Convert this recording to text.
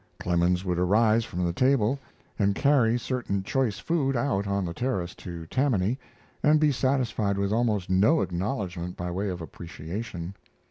Clemens would arise from the table and carry certain choice food out on the terrace to Tammany, and be satisfied with almost no acknowledgment by way of appreciation.